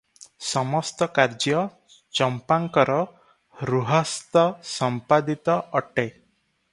ସମସ୍ତ କାଯ୍ୟ ଚଂପାଙ୍କର ହୃହସ୍ତ ସଂପାଦିତ ଅଟେ ।